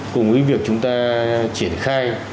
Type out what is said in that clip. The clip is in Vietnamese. cùng với việc chúng ta triển khai